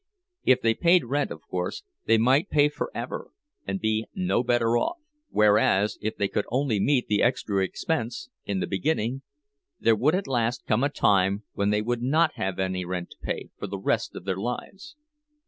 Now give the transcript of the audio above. If they paid rent, of course, they might pay forever, and be no better off; whereas, if they could only meet the extra expense in the beginning, there would at last come a time when they would not have any rent to pay for the rest of their lives.